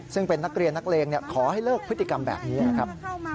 ซึ่งเป็นนักเรียนนักเลงขอให้เลิกพฤติกรรมแบบนี้นะครับ